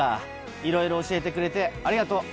いろいろ教えてくれてありがとう。